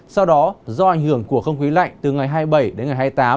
sau đó do ảnh hưởng của không khí lạnh từ ngày hai mươi bảy đến ngày hai mươi tám